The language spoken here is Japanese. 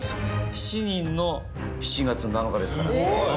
７人の７月７日ですから。